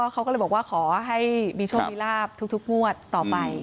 เขาก็เลยบอกว่าขอให้มีโชคมีลาบทุกงวดต่อไป